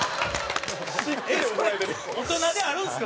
それ大人であるんですか？